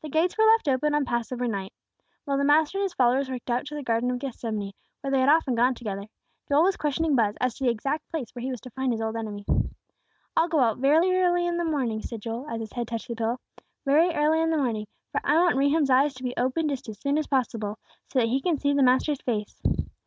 The gates were left open on Passover night. While the Master and His followers walked out to the Garden of Gethsemane, where they had often gone together, Joel was questioning Buz as to the exact place where he was to find his old enemy. "I'll go out very early in the morning," said Joel, as his head touched the pillow. "Very early in the morning, for I want Rehum's eyes to be open just as soon as possible, so that he can see the Master's face.